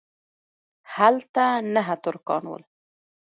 هلته نه ترکان ول.